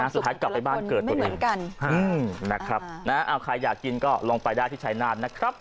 สุดท้ายกลับไปบ้านเกิดตัวเองเหมือนกันนะครับใครอยากกินก็ลงไปได้ที่ชายนาฏนะครับ